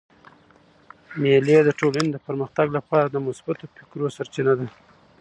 مېلې د ټولني د پرمختګ له پاره د مثبتو فکرو سرچینه ده.